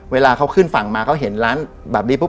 เวลาเขาขึ้นฝั่งมาเขาเห็นร้านแบบนี้ปุ๊บ